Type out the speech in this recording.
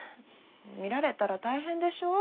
見られたら大変でしょう？